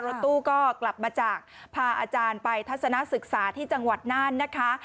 รถตู้ก็กลับมาจากพาอาจารย์ไปทัศนศึกษาที่จังหวัดน่านนะคะ